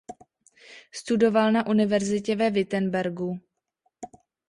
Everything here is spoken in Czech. Studoval na univerzitě ve Wittenbergu.